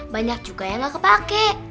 banyak juga yang gak kepake